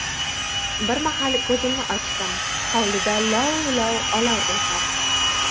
Bir mahal ko‘zimni ochdim — hovlida lovv-lovv olov o‘rladi.